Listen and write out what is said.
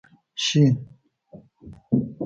شي،